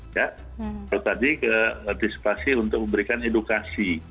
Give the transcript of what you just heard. kalau tadi keantisipasi untuk memberikan edukasi